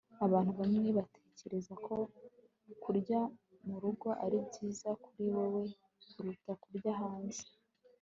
abantu bamwe batekereza ko kurya murugo ari byiza kuri wewe kuruta kurya hanze